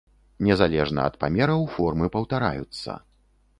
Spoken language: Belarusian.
Незалежна ад памераў формы паўтараюцца.